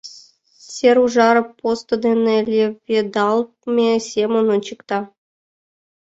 Сер ужар посто дене леведалтме семын ончыкта.